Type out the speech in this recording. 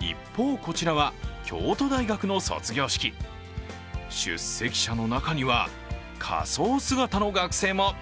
一方、こちらは京都大学の卒業式出席者の中には、仮装姿の学生も。